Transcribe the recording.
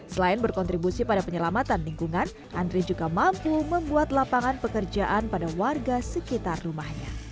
selain berkontribusi pada penyelamatan lingkungan andri juga mampu membuat lapangan pekerjaan pada warga sekitar rumahnya